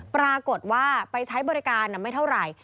ปรากฏว่าไปใช้บริการไม่เท่าไหร่